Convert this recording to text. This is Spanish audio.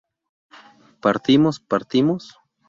¿Partimos partimos?